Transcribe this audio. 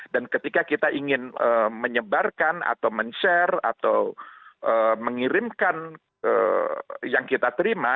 dan ketika kita ingin menyebarkan atau men share atau mengirimkan yang kita terima